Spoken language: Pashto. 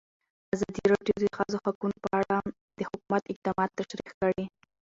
ازادي راډیو د د ښځو حقونه په اړه د حکومت اقدامات تشریح کړي.